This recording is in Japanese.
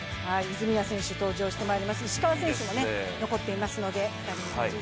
泉谷選手登場してまいります、石川選手も残っています。